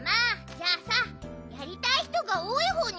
じゃあさやりたいひとがおおいほうにしようよ。